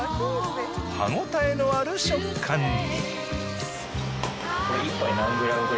歯ごたえのある食感に。